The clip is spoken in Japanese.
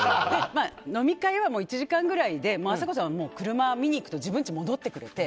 飲み会は１時間ぐらいであさこさんは車、見に行くと自分のうち戻ってくれて。